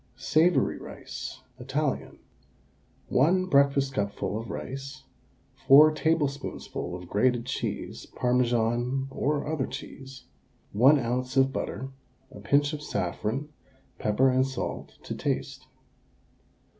SAVOURY RICE (Italian). 1 breakfastcupful of rice, 4 tablespoonfuls of grated cheese (Parmesan or other cheese), 1 oz. of butter, a pinch of saffron, pepper and salt to taste.